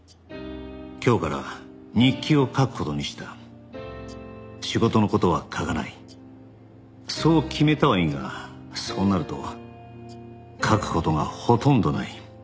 「今日から日記を書く事にした」「仕事の事は書かないそう決めたはいいがそうなると書く事がほとんどない」